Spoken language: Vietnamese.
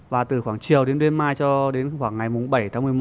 và từ khoảng chiều đến đêm mai cho đến khoảng ngày bảy tháng một mươi một